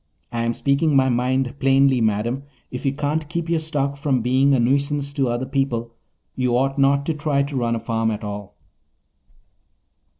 I am speaking my mind plainly, madam. If you can't keep your stock from being a nuisance to other people you ought not to try to run a farm at all."